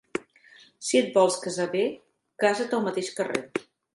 Si et vols casar bé, casa't al mateix carrer.